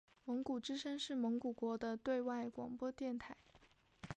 蒙古之声是蒙古国的对外广播电台。